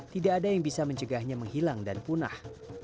tidak ada yang bisa mencegahnya menghilang dan punah